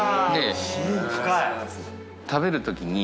食べる時に。